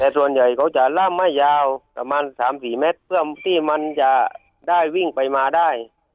แต่ส่วนใหญ่เขาจะล่ามไม่ยาวประมาณ๓๔เมตรเพื่อที่มันจะได้วิ่งไปมาได้